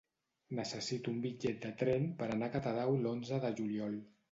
Necessito un bitllet de tren per anar a Catadau l'onze de juliol.